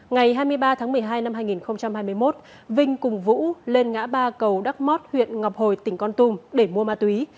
ngày hai mươi ba tháng một mươi hai năm hai nghìn hai mươi một vinh cùng vũ lên ngã ba cầu đắk mót huyện ngọc hồi tỉnh con tum để mua ma túy